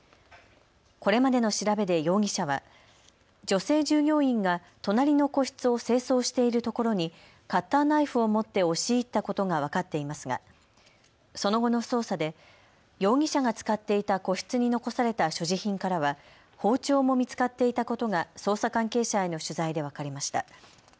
これまでの調べで容疑者は女性従業員が隣の個室を清掃している所にカッターナイフを持って押し入ったことが分かっていますが、その後の捜査で容疑者が使っていた個室に残された所持品からは包丁も見つかっていたことが捜査関係者への取材で分かりました。